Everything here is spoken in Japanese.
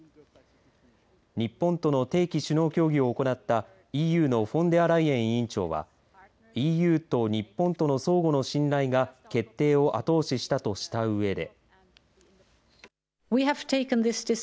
日本との定期首脳協議を行ったＥＵのフォンデアライエン委員長はＥＵと日本との相互の信頼が決定を後押ししたとしたうえで。